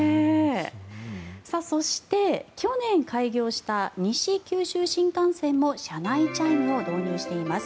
そして去年開業した西九州新幹線も車内チャイムを導入しています。